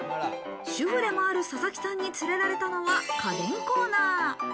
主婦でもある佐々木さんに連れられたのは家電コーナー。